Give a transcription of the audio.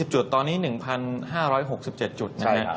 จุดตอนนี้๑๕๖๗จุดนะครับ